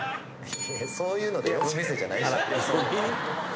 そういうので呼ぶ店じゃないし。